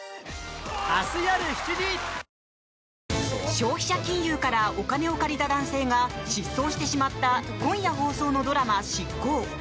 消費者金融からお金を借りた男性が失踪してしまった今夜放送のドラマ「シッコウ！！」。